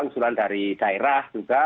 usulan dari daerah juga